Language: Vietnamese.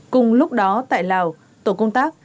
cùng lúc đó tại lào tổ công tác